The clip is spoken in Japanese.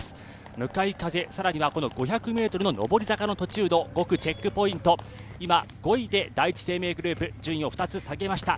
向かい風、さらにはこの５００ｍの上り坂の途中５区チェックポイント、今５位で第一生命グループ順位を２つ下げました。